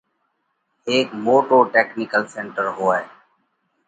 هيڪ موٽو ٽيڪنِيڪل سينٽر هوئہ۔